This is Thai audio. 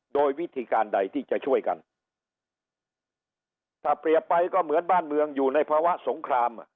โดยวิธีการใดที่จะช่วยกันถ้าเปรียบไปก็เหมือนบ้านเมืองอยู่ในภาวะสงครามอ่ะ